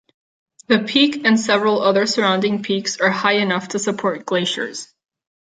The peak and several other surrounding peaks are high enough to support glaciers.